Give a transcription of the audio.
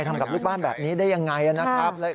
ทำกับลูกบ้านแบบนี้ได้ยังไงนะครับ